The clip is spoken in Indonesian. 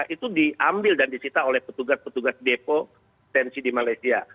itu diambil dan disita oleh petugas petugas depo tensi di malaysia